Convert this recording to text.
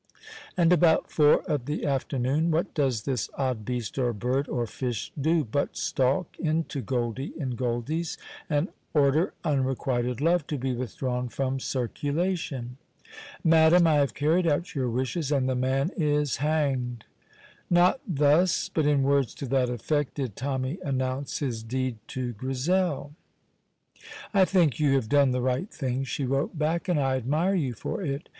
And about four of the afternoon what does this odd beast or bird or fish do but stalk into Goldie & Goldie's and order "Unrequited Love" to be withdrawn from circulation. "Madam, I have carried out your wishes, and the man is hanged." Not thus, but in words to that effect, did Tommy announce his deed to Grizel. "I think you have done the right thing," she wrote back, "and I admire you for it."